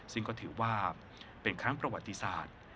ซึ่งก็ถือว่าเป็นครั้งประวัติศาสตร์